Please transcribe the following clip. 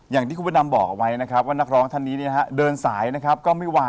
อย่างที่คุณพระนำบอกเอาไว้นะครับว่านักร้องท่านนี้เดินสายนะครับก็ไม่วายนะครับ